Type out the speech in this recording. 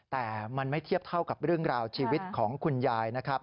แต่มันไม่เทียบเท่ากับเรื่องราวชีวิตของคุณยายนะครับ